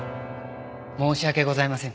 申し訳ございません。